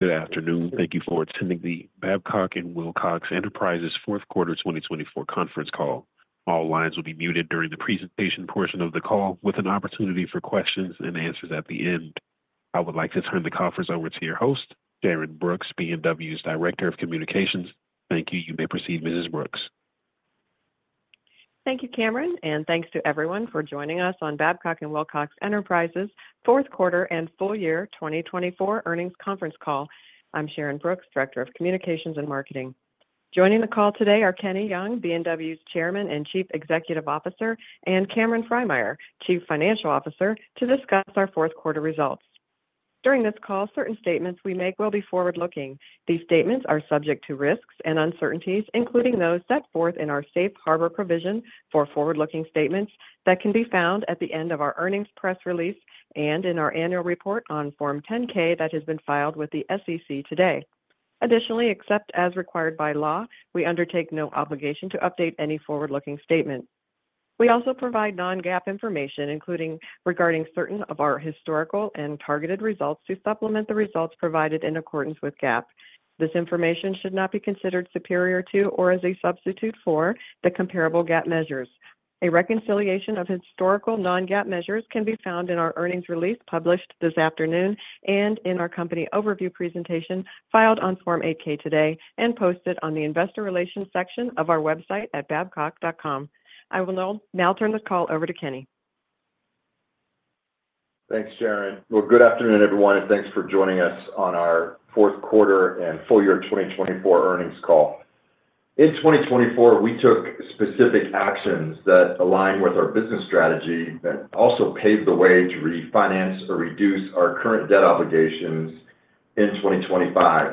Good afternoon. Thank you for attending the Babcock & Wilcox Enterprises Fourth Quarter 2024 Conference Call. All lines will be muted during the presentation portion of the call, with an opportunity for questions and answers at the end. I would like to turn the conference over to your host, Sharyn Brooks, Babcock & Wilcox Enterprises' Director of Communications. Thank you. You may proceed, Mrs. Brooks. Thank you, Cameron, and thanks to everyone for joining us on Babcock & Wilcox Enterprises Fourth Quarter and Full Year 2024 Earnings Conference Call. I'm Sharyn Brooks, Director of Communications and Marketing. Joining the call today are Kenny Young, Babcock & Wilcox Enterprises' Chairman and Chief Executive Officer, and Cameron Frymyer, Chief Financial Officer, to discuss our fourth quarter results. During this call, certain statements we make will be forward-looking. These statements are subject to risks and uncertainties, including those set forth in our Safe Harbor Provision for Forward-Looking Statements that can be found at the end of our earnings press release and in our annual report on Form 10-K that has been filed with the SEC today. Additionally, except as required by law, we undertake no obligation to update any forward-looking statement. We also provide non-GAAP information, including regarding certain of our historical and targeted results to supplement the results provided in accordance with GAAP. This information should not be considered superior to or as a substitute for the comparable GAAP measures. A reconciliation of historical non-GAAP measures can be found in our earnings release published this afternoon and in our company overview presentation filed on Form 8-K today and posted on the Investor Relations section of our website at babcock.com. I will now turn the call over to Kenny. Thanks, Sharyn. Good afternoon, everyone, and thanks for joining us on our Fourth Quarter and Full Year 2024 Earnings Call. In 2024, we took specific actions that align with our business strategy that also paved the way to refinance or reduce our current debt obligations in 2025.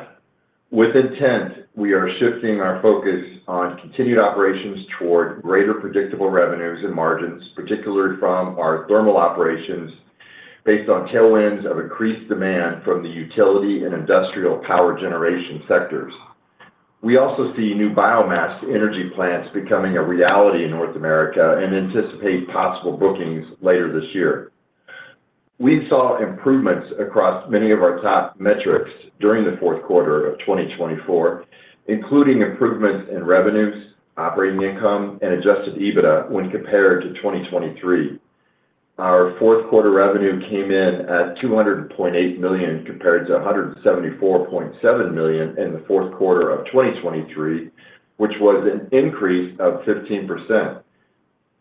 With intent, we are shifting our focus on continued operations toward greater predictable revenues and margins, particularly from our thermal operations based on tailwinds of increased demand from the utility and industrial power generation sectors. We also see new biomass energy plants becoming a reality in North America and anticipate possible bookings later this year. We saw improvements across many of our top metrics during the fourth quarter of 2024, including improvements in revenues, operating income, and adjusted EBITDA when compared to 2023. Our fourth quarter revenue came in at $200.8 million compared to $174.7 million in the fourth quarter of 2023, which was an increase of 15%.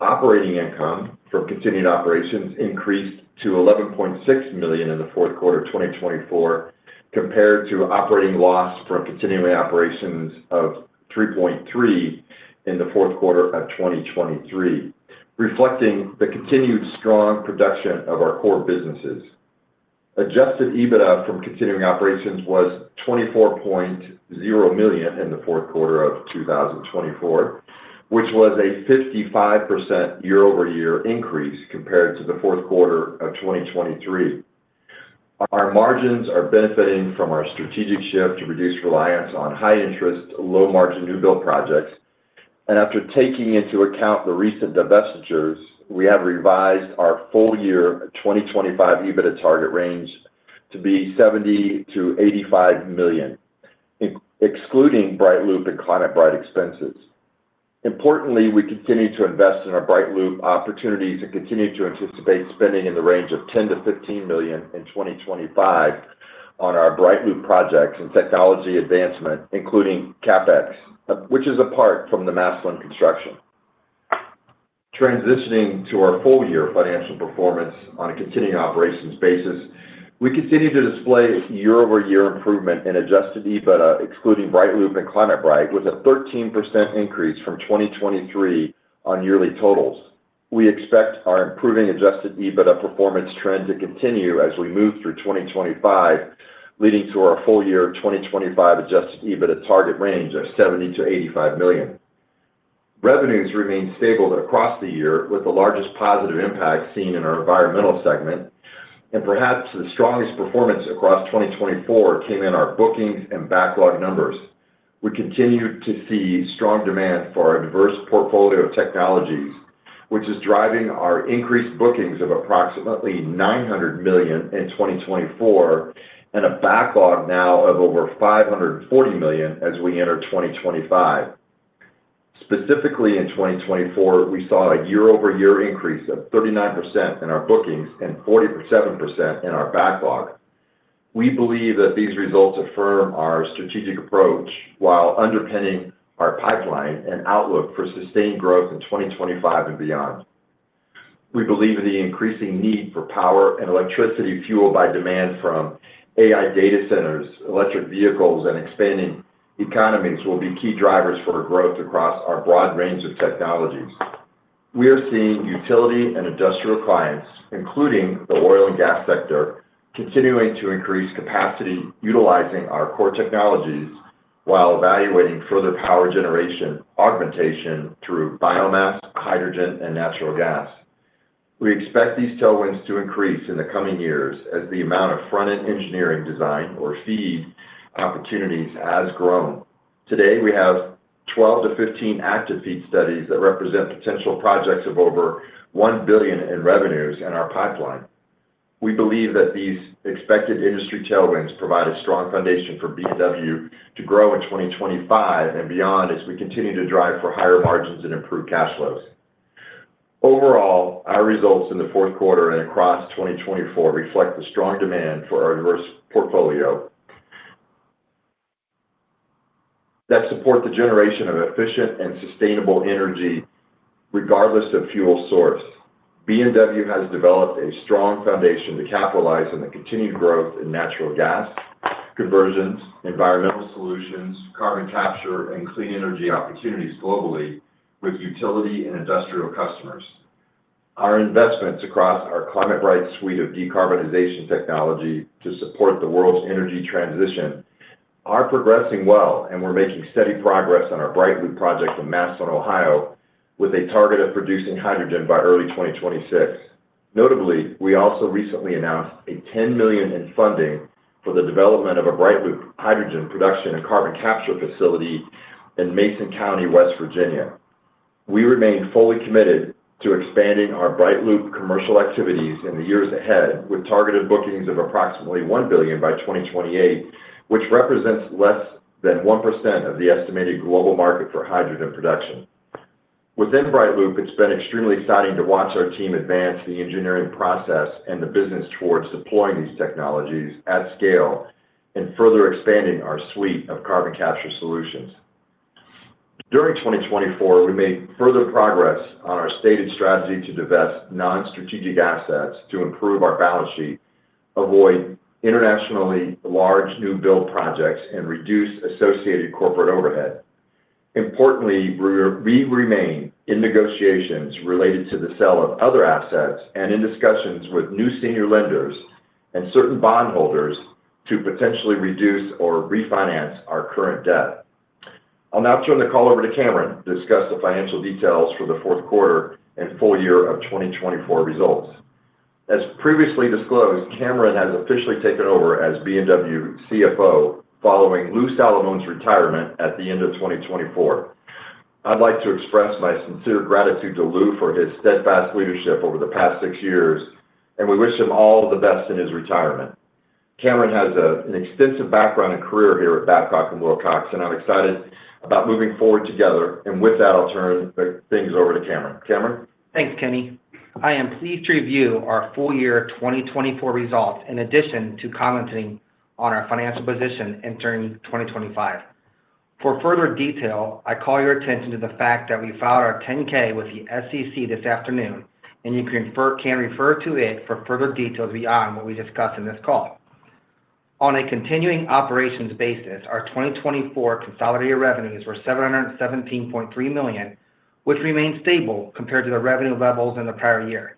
Operating income from continued operations increased to $11.6 million in the fourth quarter of 2024, compared to operating loss from continuing operations of $3.3 million in the fourth quarter of 2023, reflecting the continued strong production of our core businesses. Adjusted EBITDA from continuing operations was $24.0 million in the fourth quarter of 2024, which was a 55% year-over-year increase compared to the fourth quarter of 2023. Our margins are benefiting from our strategic shift to reduce reliance on high-interest, low-margin new-build projects. After taking into account the recent divestitures, we have revised our full-year 2025 EBITDA target range to be $70-$85 million, excluding BrightLoop and ClimateBright expenses. Importantly, we continue to invest in our BrightLoop opportunities and continue to anticipate spending in the range of $10 million-$15 million in 2025 on our BrightLoop projects and technology advancement, including CapEx, which is apart from the Massillon construction. Transitioning to our full-year financial performance on a continuing operations basis, we continue to display year-over-year improvement in adjusted EBITDA, excluding BrightLoop and ClimateBright, with a 13% increase from 2023 on yearly totals. We expect our improving adjusted EBITDA performance trend to continue as we move through 2025, leading to our full-year 2025 adjusted EBITDA target range of $70 million-$85 million. Revenues remain stable across the year, with the largest positive impact seen in our environmental segment, and perhaps the strongest performance across 2024 came in our bookings and backlog numbers. We continue to see strong demand for our diverse portfolio of technologies, which is driving our increased bookings of approximately $900 million in 2024 and a backlog now of over $540 million as we enter 2025. Specifically, in 2024, we saw a year-over-year increase of 39% in our bookings and 47% in our backlog. We believe that these results affirm our strategic approach while underpinning our pipeline and outlook for sustained growth in 2025 and beyond. We believe the increasing need for power and electricity fueled by demand from AI data centers, electric vehicles, and expanding economies will be key drivers for growth across our broad range of technologies. We are seeing utility and industrial clients, including the oil and gas sector, continuing to increase capacity utilizing our core technologies while evaluating further power generation augmentation through biomass, hydrogen, and natural gas. We expect these tailwinds to increase in the coming years as the amount of front-end engineering design or FEED opportunities has grown. Today, we have 12-15 active FEED studies that represent potential projects of over $1 billion in revenues in our pipeline. We believe that these expected industry tailwinds provide a strong foundation for Babcock & Wilcox to grow in 2025 and beyond as we continue to drive for higher margins and improved cash flows. Overall, our results in the fourth quarter and across 2024 reflect the strong demand for our diverse portfolio that supports the generation of efficient and sustainable energy regardless of fuel source. Babcock & Wilcox has developed a strong foundation to capitalize on the continued growth in natural gas conversions, environmental solutions, carbon capture, and clean energy opportunities globally with utility and industrial customers. Our investments across our ClimateBright suite of decarbonization technology to support the world's energy transition are progressing well, and we're making steady progress on our BrightLoop project in Massillon, Ohio, with a target of producing hydrogen by early 2026. Notably, we also recently announced $10 million in funding for the development of a BrightLoop hydrogen production and carbon capture facility in Mason County, West Virginia. We remain fully committed to expanding our BrightLoop commercial activities in the years ahead, with targeted bookings of approximately $1 billion by 2028, which represents less than 1% of the estimated global market for hydrogen production. Within BrightLoop, it's been extremely exciting to watch our team advance the engineering process and the business towards deploying these technologies at scale and further expanding our suite of carbon capture solutions. During 2024, we made further progress on our stated strategy to divest non-strategic assets to improve our balance sheet, avoid internationally large new-build projects, and reduce associated corporate overhead. Importantly, we remain in negotiations related to the sale of other assets and in discussions with new senior lenders and certain bondholders to potentially reduce or refinance our current debt. I'll now turn the call over to Cameron to discuss the financial details for the fourth quarter and full year of 2024 results. As previously disclosed, Cameron has officially taken over as Babcock & Wilcox CFO following Lou Salamone's retirement at the end of 2024. I'd like to express my sincere gratitude to Lou for his steadfast leadership over the past six years, and we wish him all the best in his retirement. Cameron has an extensive background and career here at Babcock & Wilcox, and I'm excited about moving forward together. With that, I'll turn things over to Cameron. Cameron? Thanks, Kenny. I am pleased to review our full-year 2024 results in addition to commenting on our financial position entering 2025. For further detail, I call your attention to the fact that we filed our 10-K with the SEC this afternoon, and you can refer to it for further details beyond what we discussed in this call. On a continuing operations basis, our 2024 consolidated revenues were $717.3 million, which remained stable compared to the revenue levels in the prior year.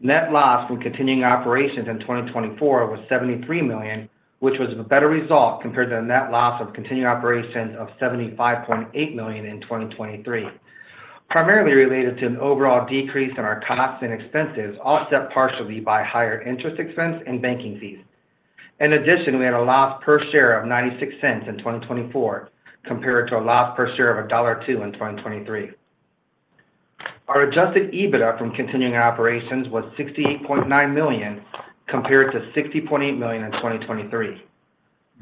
Net loss from continuing operations in 2024 was $73 million, which was a better result compared to the net loss of continuing operations of $75.8 million in 2023, primarily related to an overall decrease in our costs and expenses, offset partially by higher interest expense and banking fees. In addition, we had a loss per share of $0.96 in 2024 compared to a loss per share of $1.02 in 2023. Our adjusted EBITDA from continuing operations was $68.9 million compared to $60.8 million in 2023.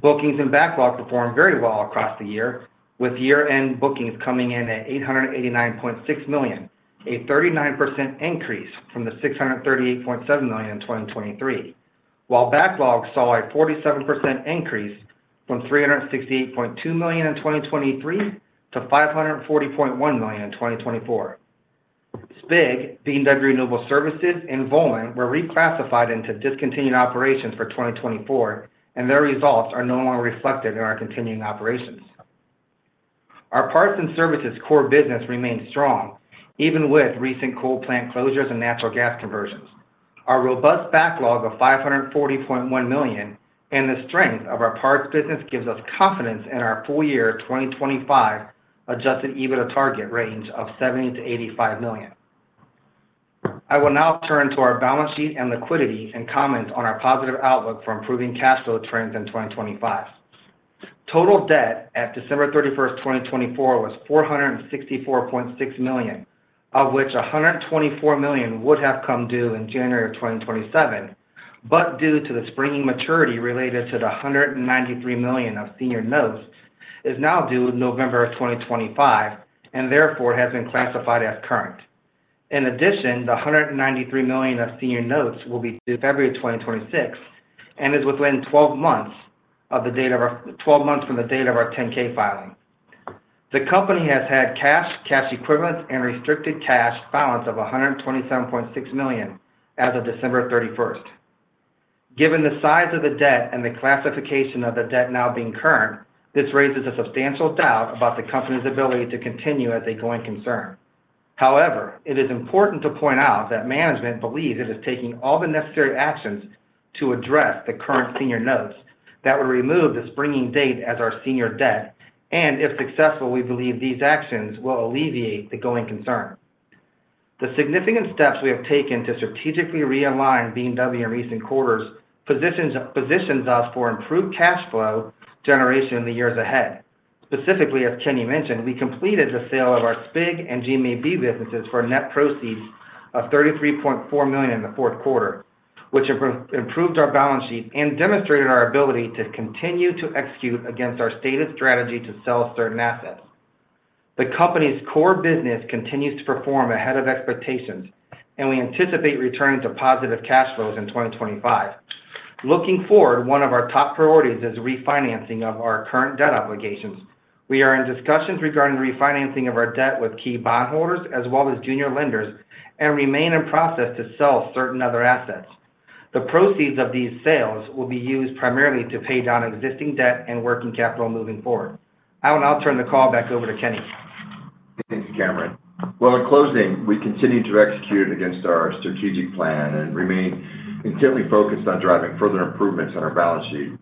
Bookings and backlog performed very well across the year, with year-end bookings coming in at $889.6 million, a 39% increase from the $638.7 million in 2023, while backlog saw a 47% increase from $368.2 million in 2023 to $540.1 million in 2024. SPIG, B&W Renewable Services, and Volund were reclassified into discontinued operations for 2024, and their results are no longer reflected in our continuing operations. Our parts and services core business remains strong, even with recent coal plant closures and natural gas conversions. Our robust backlog of $540.1 million and the strength of our parts business gives us confidence in our full-year 2025 adjusted EBITDA target range of $70 million-$85 million. I will now turn to our balance sheet and liquidity and comment on our positive outlook for improving cash flow trends in 2025. Total debt at December 31, 2024, was $464.6 million, of which $124 million would have come due in January of 2027, but due to the springing maturity related to the $193 million of senior notes, is now due in November of 2025 and therefore has been classified as current. In addition, the $193 million of senior notes will be due in February of 2026 and is within 12 months from the date of our 10-K filing. The company has had cash, cash equivalents, and restricted cash balance of $127.6 million as of December 31. Given the size of the debt and the classification of the debt now being current, this raises a substantial doubt about the company's ability to continue as a going concern. However, it is important to point out that management believes it is taking all the necessary actions to address the current senior notes that would remove the springing date as our senior debt, and if successful, we believe these actions will alleviate the going concern. The significant steps we have taken to strategically realign Babcock & Wilcox Enterprises in recent quarters positions us for improved cash flow generation in the years ahead. Specifically, as Kenny mentioned, we completed the sale of our SPIG and GMAB businesses for net proceeds of $33.4 million in the fourth quarter, which improved our balance sheet and demonstrated our ability to continue to execute against our stated strategy to sell certain assets. The company's core business continues to perform ahead of expectations, and we anticipate returning to positive cash flows in 2025. Looking forward, one of our top priorities is refinancing of our current debt obligations. We are in discussions regarding refinancing of our debt with key bondholders as well as junior lenders and remain in process to sell certain other assets. The proceeds of these sales will be used primarily to pay down existing debt and working capital moving forward. I will now turn the call back over to Kenny. Thank you, Cameron. In closing, we continue to execute against our strategic plan and remain intently focused on driving further improvements on our balance sheet.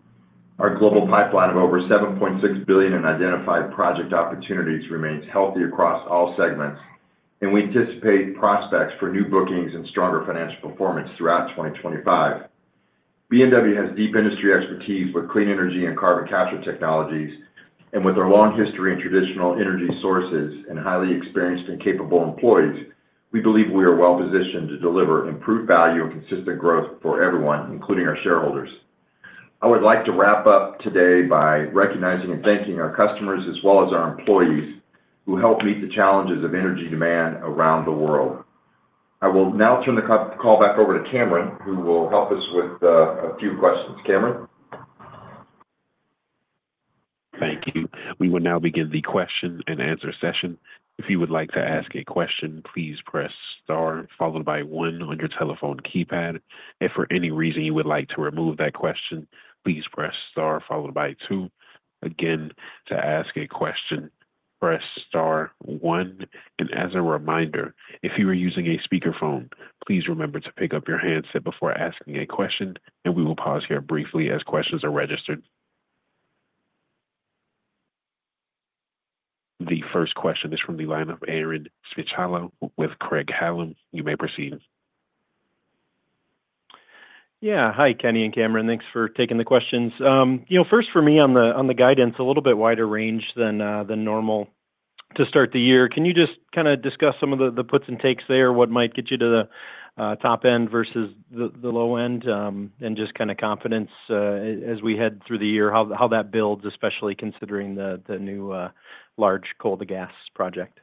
Our global pipeline of over $7.6 billion in identified project opportunities remains healthy across all segments, and we anticipate prospects for new bookings and stronger financial performance throughout 2025. Babcock & Wilcox Enterprises has deep industry expertise with clean energy and carbon capture technologies, and with our long history in traditional energy sources and highly experienced and capable employees, we believe we are well positioned to deliver improved value and consistent growth for everyone, including our shareholders. I would like to wrap up today by recognizing and thanking our customers as well as our employees who help meet the challenges of energy demand around the world. I will now turn the call back over to Cameron, who will help us with a few questions. Cameron? Thank you. We will now begin the question and answer session. If you would like to ask a question, please press star, followed by one on your telephone keypad. If for any reason you would like to remove that question, please press star, followed by two. Again, to ask a question, press star one. As a reminder, if you are using a speakerphone, please remember to pick up your handset before asking a question, and we will pause here briefly as questions are registered. The first question is from the line of Aaron Spychalla with Craig-Hallum. You may proceed. Yeah. Hi, Kenny and Cameron. Thanks for taking the questions. First, for me, on the guidance, a little bit wider range than normal to start the year. Can you just kind of discuss some of the puts and takes there, what might get you to the top end versus the low end, and just kind of confidence as we head through the year, how that builds, especially considering the new large coal-to-gas project?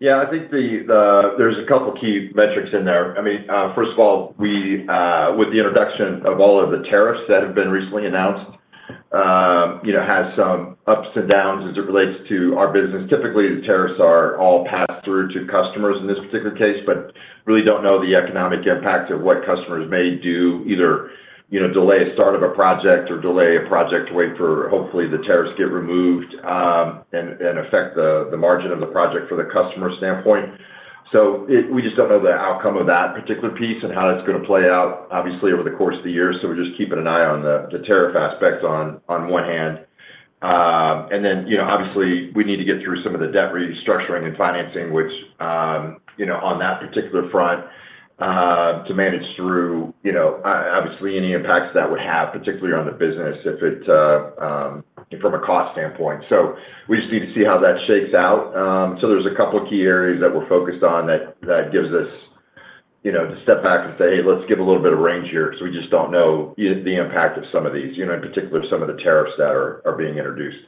Yeah. I think there's a couple of key metrics in there. I mean, first of all, with the introduction of all of the tariffs that have been recently announced, it has some ups and downs as it relates to our business. Typically, the tariffs are all passed through to customers in this particular case, but really don't know the economic impact of what customers may do, either delay a start of a project or delay a project to wait for hopefully the tariffs get removed and affect the margin of the project from the customer standpoint. We just don't know the outcome of that particular piece and how it's going to play out, obviously, over the course of the year. We're just keeping an eye on the tariff aspect on one hand. Obviously, we need to get through some of the debt restructuring and financing, which on that particular front, to manage through, obviously, any impacts that would have, particularly on the business, if it's from a cost standpoint. We just need to see how that shakes out. There are a couple of key areas that we're focused on that gives us the step back and say, "Hey, let's give a little bit of range here." We just do not know the impact of some of these, in particular, some of the tariffs that are being introduced.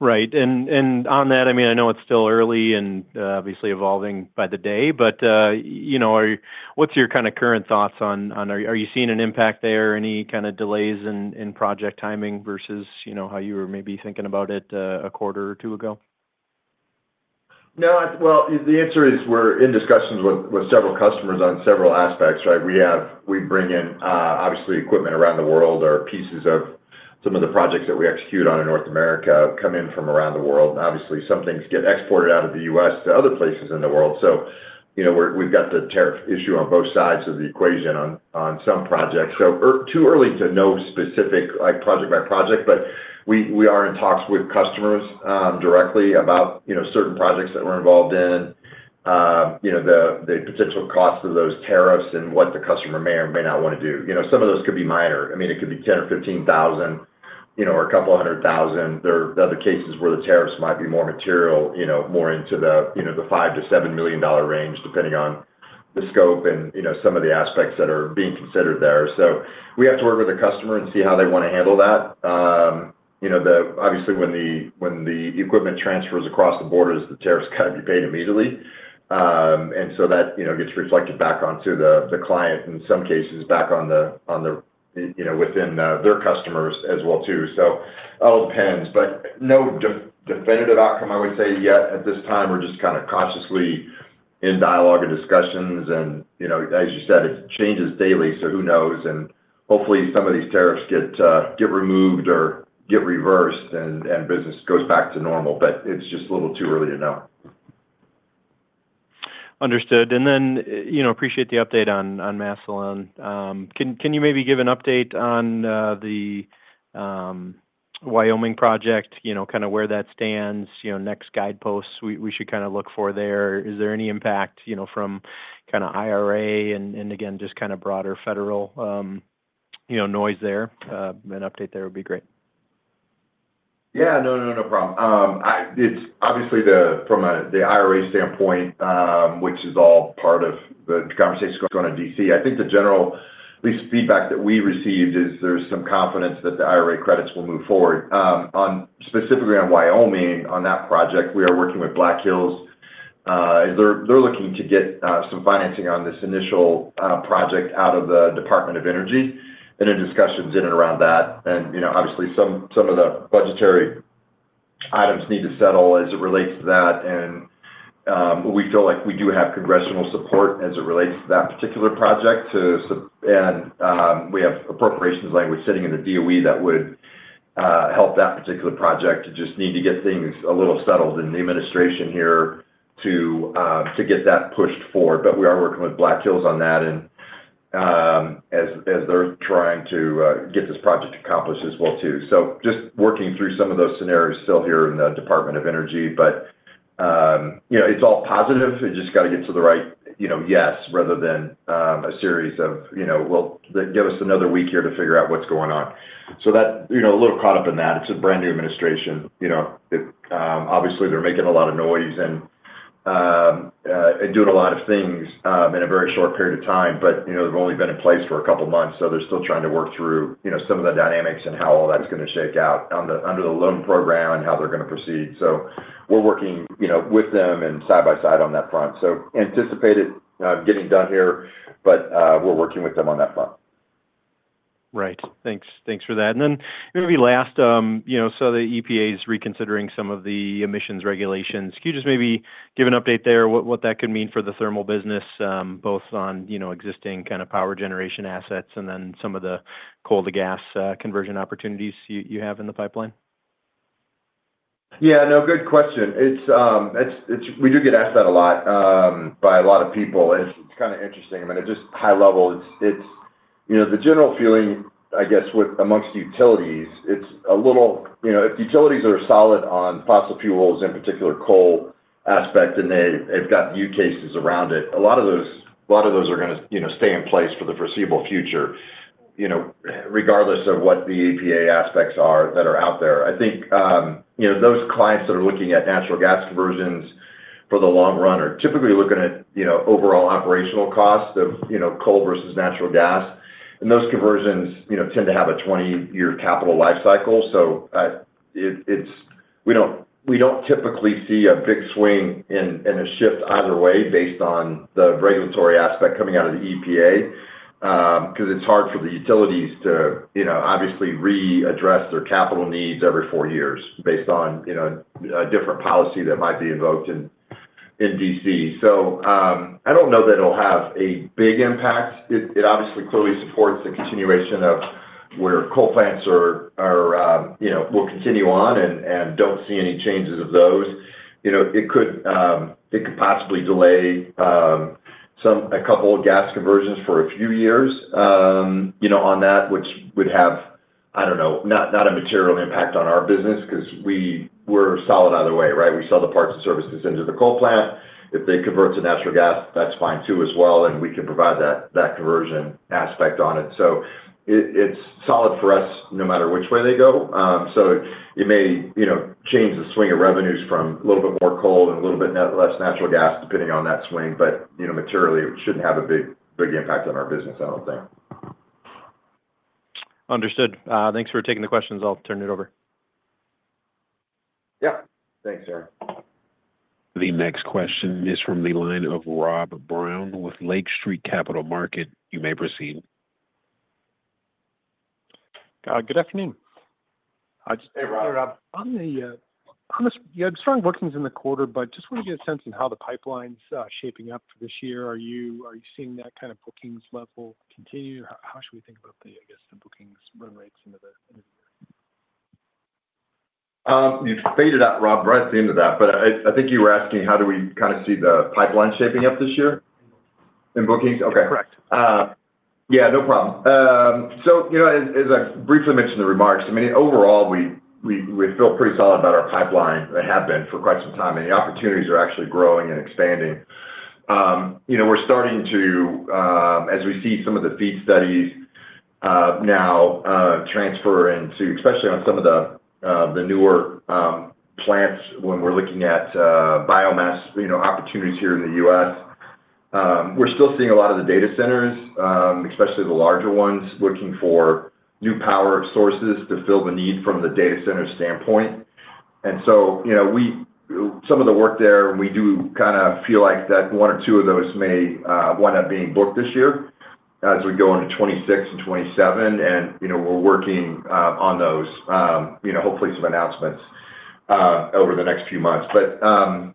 Right. On that, I mean, I know it's still early and obviously evolving by the day, but what's your kind of current thoughts on are you seeing an impact there or any kind of delays in project timing versus how you were maybe thinking about it a quarter or two ago? No. The answer is we're in discussions with several customers on several aspects, right? We bring in, obviously, equipment around the world. Our pieces of some of the projects that we execute on in North America come in from around the world. Obviously, some things get exported out of the U.S. to other places in the world. We have the tariff issue on both sides of the equation on some projects. It is too early to know specific project by project, but we are in talks with customers directly about certain projects that we're involved in, the potential costs of those tariffs, and what the customer may or may not want to do. Some of those could be minor. I mean, it could be $10,000 or $15,000 or a couple of hundred thousand. There are other cases where the tariffs might be more material, more into the $5-$7 million range, depending on the scope and some of the aspects that are being considered there. We have to work with the customer and see how they want to handle that. Obviously, when the equipment transfers across the borders, the tariffs got to be paid immediately. That gets reflected back onto the client, in some cases, back on within their customers as well, too. It all depends. No definitive outcome, I would say, yet at this time. We're just kind of cautiously in dialogue and discussions. As you said, it changes daily, so who knows? Hopefully, some of these tariffs get removed or get reversed and business goes back to normal, but it's just a little too early to know. Understood. Appreciate the update on Massillon. Can you maybe give an update on the Wyoming project, kind of where that stands, next guideposts we should kind of look for there? Is there any impact from kind of IRA and, again, just kind of broader federal noise there? An update there would be great. Yeah. No, no problem. It's obviously from the IRA standpoint, which is all part of the conversation going to D.C. I think the general, at least, feedback that we received is there's some confidence that the IRA credits will move forward. Specifically on Wyoming, on that project, we are working with Black Hills. They're looking to get some financing on this initial project out of the Department of Energy and in discussions in and around that. Obviously, some of the budgetary items need to settle as it relates to that. We feel like we do have congressional support as it relates to that particular project. We have appropriations language sitting in the DOE that would help that particular project. Just need to get things a little settled in the administration here to get that pushed forward. We are working with Black Hills on that as they're trying to get this project accomplished as well, too. Just working through some of those scenarios still here in the Department of Energy. It's all positive. It just has to get to the right yes rather than a series of, "Give us another week here to figure out what's going on." A little caught up in that. It's a brand new administration. Obviously, they're making a lot of noise and doing a lot of things in a very short period of time, but they've only been in place for a couple of months. They're still trying to work through some of the dynamics and how all that's going to shake out under the loan program and how they're going to proceed. We're working with them and side by side on that front. Anticipated getting done here, but we're working with them on that front. Right. Thanks for that. Maybe last, the EPA is reconsidering some of the emissions regulations. Can you just maybe give an update there what that could mean for the thermal business, both on existing kind of power generation assets and then some of the coal-to-gas conversion opportunities you have in the pipeline? Yeah. No, good question. We do get asked that a lot by a lot of people. It's kind of interesting. I mean, just high level, it's the general feeling, I guess, amongst utilities, it's a little if utilities are solid on fossil fuels, in particular, coal aspect, and they've got the use cases around it, a lot of those are going to stay in place for the foreseeable future, regardless of what the EPA aspects are that are out there. I think those clients that are looking at natural gas conversions for the long run are typically looking at overall operational costs of coal versus natural gas. And those conversions tend to have a 20-year capital life cycle. We do not typically see a big swing and a shift either way based on the regulatory aspect coming out of the EPA because it is hard for the utilities to obviously readdress their capital needs every four years based on a different policy that might be invoked in D.C. I do not know that it will have a big impact. It obviously clearly supports the continuation of where coal plants will continue on and do not see any changes of those. It could possibly delay a couple of gas conversions for a few years on that, which would have, I do not know, not a material impact on our business because we are solid either way, right? We sell the parts and services into the coal plant. If they convert to natural gas, that is fine too as well, and we can provide that conversion aspect on it. It is solid for us no matter which way they go. It may change the swing of revenues from a little bit more coal and a little bit less natural gas, depending on that swing. Materially, it should not have a big impact on our business, I do not think. Understood. Thanks for taking the questions. I'll turn it over. Yep. Thanks, Aaron. The next question is from the line of Rob Brown with Lake Street Capital Markets. You may proceed. Good afternoon. Hey, Rob. Hey, Rob. I'm just starting bookings in the quarter, but just want to get a sense of how the pipeline's shaping up for this year. Are you seeing that kind of bookings level continue? How should we think about, I guess, the bookings run rates into the end of the year? You faded out, Rob, right at the end of that. I think you were asking how do we kind of see the pipeline shaping up this year in bookings? Correct. Okay. Yeah, no problem. As I briefly mentioned in the remarks, I mean, overall, we feel pretty solid about our pipeline. They have been for quite some time. The opportunities are actually growing and expanding. We're starting to, as we see some of the FEED studies now, transfer into, especially on some of the newer plants, when we're looking at biomass opportunities here in the U.S., we're still seeing a lot of the data centers, especially the larger ones, looking for new power sources to fill the need from the data center standpoint. Some of the work there, we do kind of feel like that one or two of those may wind up being booked this year as we go into 2026 and 2027. We're working on those, hopefully, some announcements over the next few months.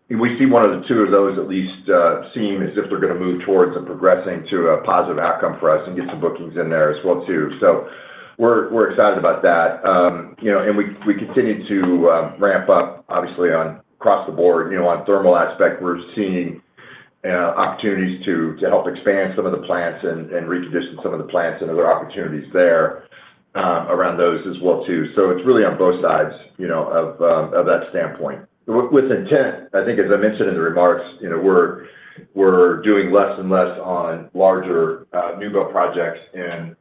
We see one or two of those at least seem as if they're going to move towards and progressing to a positive outcome for us and get some bookings in there as well, too. We're excited about that. We continue to ramp up, obviously, across the board. On thermal aspect, we're seeing opportunities to help expand some of the plants and recondition some of the plants and other opportunities there around those as well, too. It's really on both sides of that standpoint. With intent, I think, as I mentioned in the remarks, we're doing less and less on larger new-build projects and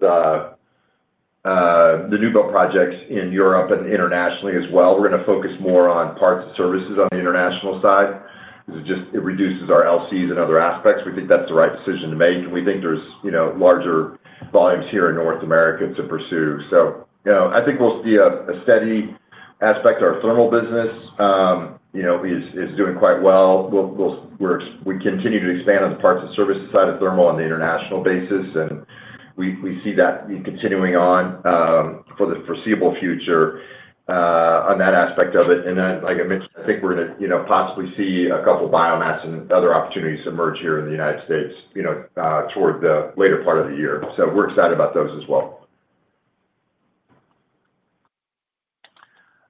the new-build projects in Europe and internationally as well. We're going to focus more on parts and services on the international side because it reduces our LCs and other aspects. We think that's the right decision to make. We think there are larger volumes here in North America to pursue. I think we will see a steady aspect. Our thermal business is doing quite well. We continue to expand on the parts and services side of thermal on the international basis. We see that continuing on for the foreseeable future on that aspect of it. Like I mentioned, I think we are going to possibly see a couple of biomass and other opportunities emerge here in the United States toward the later part of the year. We are excited about those as well.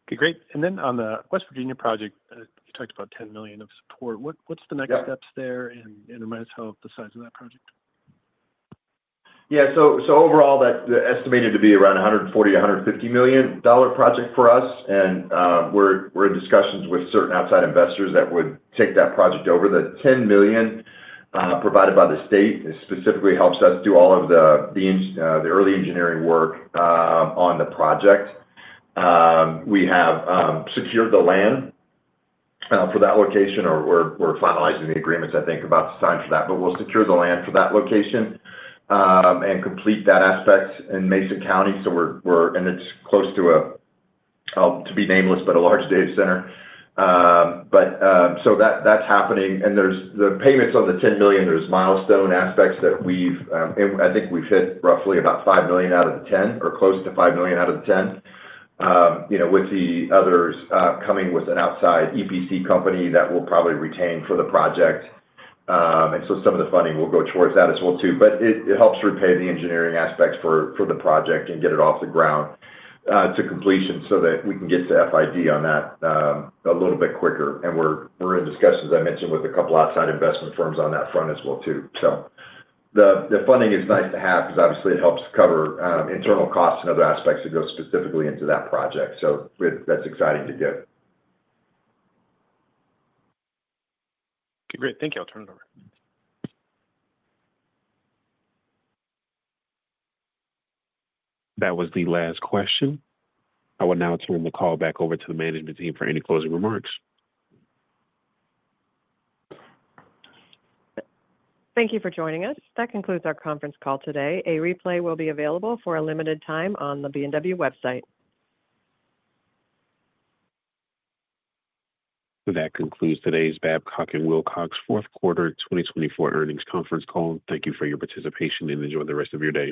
Okay. Great. On the West Virginia project, you talked about $10 million of support. What are the next steps there? Remind us how the size of that project. Yeah. Overall, that's estimated to be around a $140 million-$150 million project for us. We're in discussions with certain outside investors that would take that project over. The $10 million provided by the state specifically helps us do all of the early engineering work on the project. We have secured the land for that location. We're finalizing the agreements, I think, about the time for that. We'll secure the land for that location and complete that aspect in Mason County. It's close to a, to be nameless, but a large data center. That's happening. The payments on the $10 million, there's milestone aspects that we've, I think we've hit roughly about $5 million out of the $10 million or close to $5 million out of the $10 million, with the others coming with an outside EPC company that we'll probably retain for the project. Some of the funding will go towards that as well, too. It helps repay the engineering aspects for the project and get it off the ground to completion so that we can get to FID on that a little bit quicker. We are in discussions, I mentioned, with a couple of outside investment firms on that front as well, too. The funding is nice to have because, obviously, it helps cover internal costs and other aspects that go specifically into that project. That is exciting to do. Okay. Great. Thank you. I'll turn it over. That was the last question. I will now turn the call back over to the management team for any closing remarks. Thank you for joining us. That concludes our conference call today. A replay will be available for a limited time on the B&W website. That concludes today's Babcock & Wilcox Fourth Quarter 2024 Earnings Conference Call. Thank you for your participation and enjoy the rest of your day.